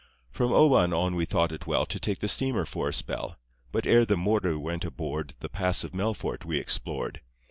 From Oban on we thought it well To take the steamer for a spell. But ere the motor went aboard The Pass of Melfort we explored.